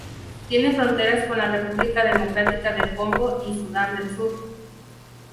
Tiene fronteras con la República Democrática del Congo y Sudán del Sur.